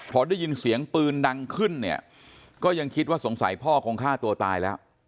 พอได้ยินเสียงปืนดังขึ้นเนี่ยก็ยังคิดว่าสงสัยพ่อคงฆ่าตัวตายแล้ว